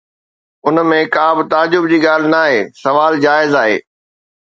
ان ۾ ڪا به تعجب جي ڳالهه ناهي، سوال جائز آهي.